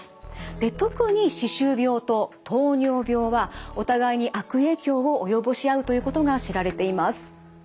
で特に歯周病と糖尿病はお互いに悪影響を及ぼし合うということが知られています。